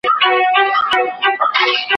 سرلوړي د هغو ده چي پر ایمان ولاړ وي.